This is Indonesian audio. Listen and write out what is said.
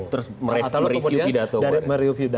terus mereview pidato kemarin